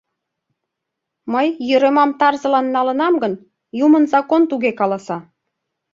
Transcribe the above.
Мый Йӧрӧмам тарзылан налынам гын, юмын закон туге каласа.